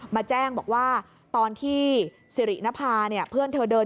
มาแจ้งบอกว่าตอนที่สิรินภาเนี่ยเพื่อนเธอเดิน